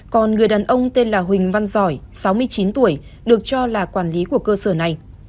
còn người đàn ông tên là huỳnh văn giỏi sáu mươi chín tuổi được cho là quản lý của cơ sở này